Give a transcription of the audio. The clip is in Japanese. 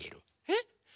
えっ？